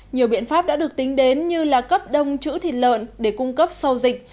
nhiều biện pháp đã được tính đến như là cấp đông chữ thịt lợn để cung cấp sau dịch